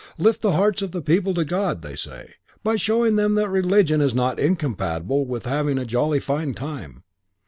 Lift the hearts of the people to God, they say, by showing them that religion is not incompatible with having a jolly fine time.